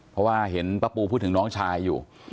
เพราะว่าเห็นป้าปูพูดถึงน้องชายอยู่